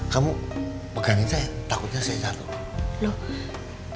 kamu pegangin saya takutnya saya jatuh